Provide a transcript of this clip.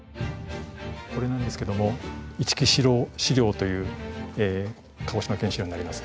これなんですけども「市来四郎史料」という「鹿児島県史料」になります。